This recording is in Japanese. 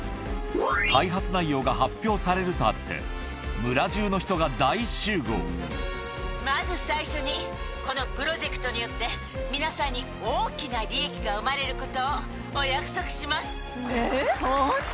開発内容が発表されるとあって、まず最初に、このプロジェクトによって皆さんに大きな利益が生まれることをおえー、本当？